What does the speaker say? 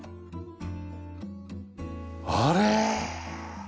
あれ？